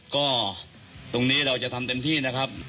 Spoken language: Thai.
ก็ตรงนี้เราจะทำเต็มที่นะครับ